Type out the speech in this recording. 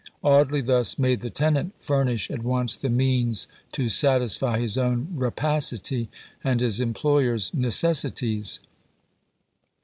Audley thus made the tenant furnish at once the means to satisfy his own rapacity, and his employer's necessities.